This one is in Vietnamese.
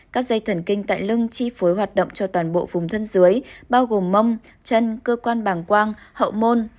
các dây thần kinh tại lưng chi phối hoạt động cho toàn bộ vùng thân dưới bao gồm mông chân cơ quan bàng quang hậu môn